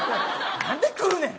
何で来るねん。